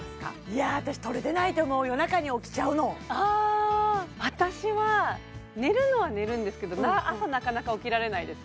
いや私とれてないと思う夜中に起きちゃうの私は寝るのは寝るんですけど朝なかなか起きられないです